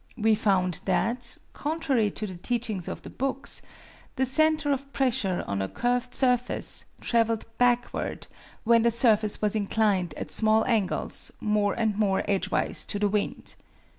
We found that, contrary to the teachings of the books, the center of pressure on a curved surface traveled backward when the surface was inclined, at small angles, more and more edgewise to the wind.